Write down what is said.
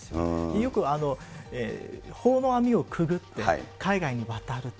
よく法の網をくぐって、海外に渡ると。